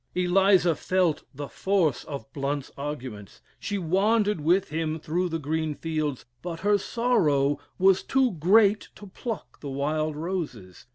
Eliza felt the force of Blount's arguments. She wandered with him through the green fields, but her sorrow was too great to pluck the wild roses.